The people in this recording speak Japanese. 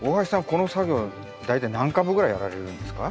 この作業大体何株ぐらいやられるんですか？